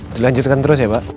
dilanjutkan terus ya pak